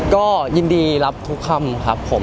ก็ยินดีรับทุกคำครับผม